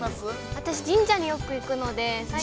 ◆私、神社によく行くので。